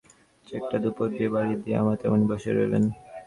চেকটা দুপোঁর দিকে বাড়িয়ে দিয়ে আমার তেমনি বসে রইলেন।